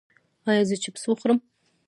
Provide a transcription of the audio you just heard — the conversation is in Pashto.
ایا زه چپس وخورم؟